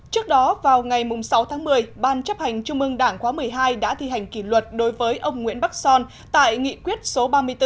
trước đó vào ngày sáu tháng một mươi ban chấp hành trung ương đảng khóa một mươi hai đã thi hành kỷ luật đối với ông nguyễn bắc son tại nghị quyết số ba mươi bốn